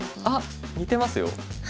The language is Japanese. あっ似てますよ。